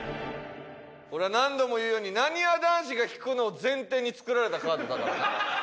これは何度も言うようになにわ男子が引くのを前提に作られたカードだからな。